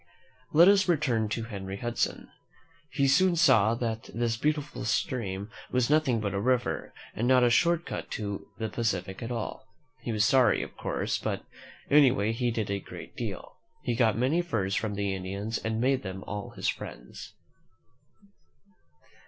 Let us return to Henry Hudson. He soon saw that this beautiful stream was nothing but a river, and not a short cut to the Pacific at all. He was sorry, of course; but anyway, he did a great deal. He got many furs from the Indians and made them all his friends.